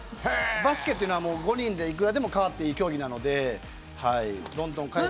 バスケは５人で、いくらでも代わっていい競技なので。